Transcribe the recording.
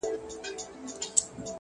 د هدف وضاحت فکر منظموي